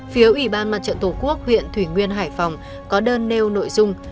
phía ủy ban mặt trận tổ quốc huyện thủy nguyên hải phòng có đơn nêu nội dung